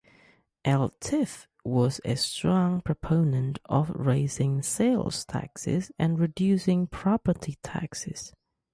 Eltife was a strong proponent of raising sales taxes and reducing property taxes.